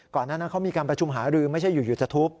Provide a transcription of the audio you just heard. ก่อนหน้านั้นเขามีการประชุมหารือไม่ใช่อยู่ยูทูป